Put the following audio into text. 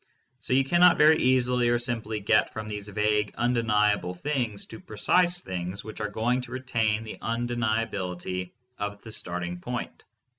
So you cannot very easily or simply get from these vague undeniable things to precise things which are going to retain the undeniability of the starting point.